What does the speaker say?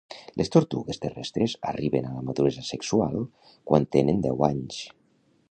Les tortugues terrestres arriben a la maduresa sexual quan tenen deu anys.